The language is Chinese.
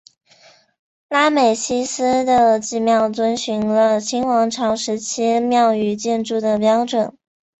拉美西斯的祭庙遵循了新王朝时期庙与建筑的标准。